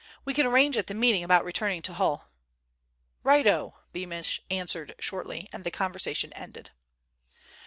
We can arrange at the meeting about returning to Hull." "Righto," Beamish answered shortly, and the conversation ended.